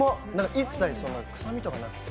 一切、臭みとかなくて。